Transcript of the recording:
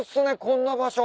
こんな場所。